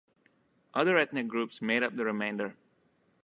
Other ethnic groups made up the remainder.